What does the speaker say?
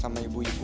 senam sama ibu ibu